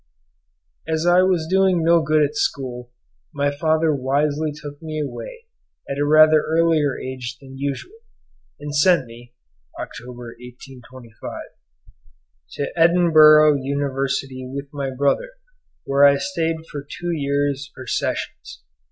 As I was doing no good at school, my father wisely took me away at a rather earlier age than usual, and sent me (Oct. 1825) to Edinburgh University with my brother, where I stayed for two years or sessions.